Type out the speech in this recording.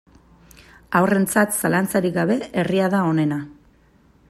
Haurrentzat, zalantzarik gabe, herria da onena.